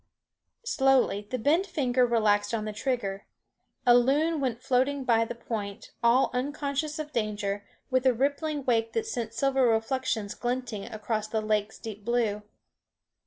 Slowly the bent finger relaxed on the trigger. A loon went floating by the point, all unconscious of danger, with a rippling wake that sent silver reflections glinting across the lake's deep blue.